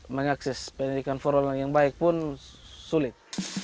mengakses pendidikan formal yang baik pun sulit